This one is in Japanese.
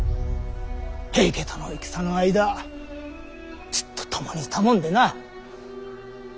平家との戦の間ずっと共にいたもんでな。